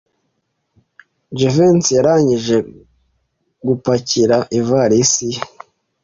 Jivency yarangije gupakira ivalisi ye.